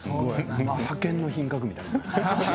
「ハケンの品格」みたいな。